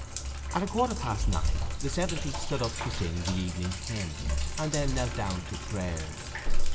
At a quarter past nine the seventy stood up to sing the "Evening Hymn," and then knelt down to prayers.